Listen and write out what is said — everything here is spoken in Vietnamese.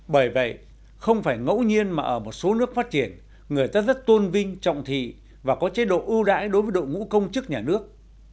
bởi vậy không phải ngẫu nhiên mà ở một số nước phát triển người ta rất tôn vinh trọng thị và có chế độ ưu đãi đối với đội ngũ công chức nhà nước